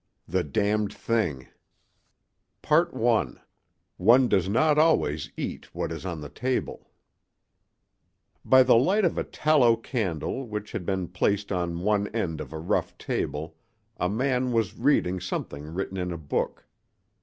THE DAMNED THING I ONE DOES NOT ALWAYS EAT WHAT IS ON THE TABLE BY the light of a tallow candle which had been placed on one end of a rough table a man was reading something written in a book.